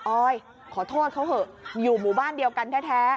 ออยขอโทษเขาเถอะอยู่หมู่บ้านเดียวกันแท้